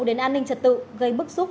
đến an ninh trật tự gây bức xúc